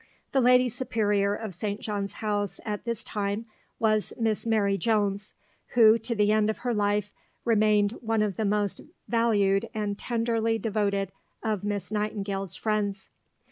The Lady Superior of St. John's House at this time was Miss Mary Jones, who to the end of her life remained one of the most valued and tenderly devoted of Miss Nightingale's friends.